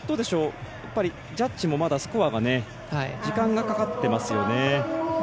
下りのところのジャッジもまだ、スコアは時間がかかってますよね。